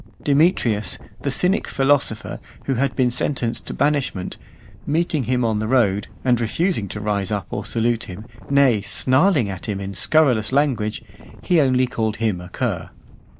Demetrius, the Cynic philosopher , (455) who had been sentenced to banishment, meeting him on the road, and refusing to rise up or salute him, nay, snarling at him in scurrilous language, he only called him a cur.